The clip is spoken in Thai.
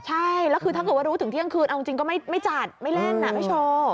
ใช่แล้วคือถ้าเกิดว่ารู้ถึงเที่ยงคืนเอาจริงก็ไม่จัดไม่เล่นนะพี่โชว์